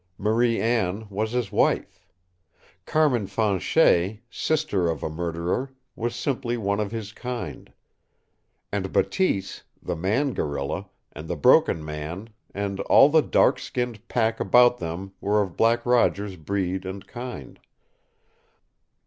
Marie Anne was his wife. Carmin Fanchet, sister of a murderer, was simply one of his kind. And Bateese, the man gorilla, and the Broken Man, and all the dark skinned pack about them were of Black Roger's breed and kind.